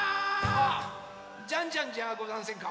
あジャンジャンじゃござんせんか？